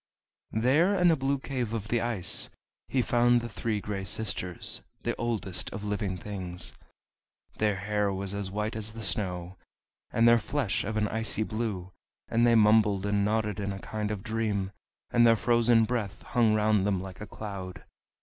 There in a blue cave of the ice he found the Three Gray Sisters, the oldest of living things. Their hair was as white as the snow, and their flesh of an icy blue, and they mumbled and nodded in a kind of dream, and their frozen breath hung round them like a cloud.